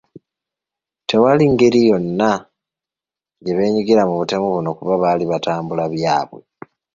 Tewali ngeri yonna gye beenyigira mu butemu buno kuba baali batambula byabwe.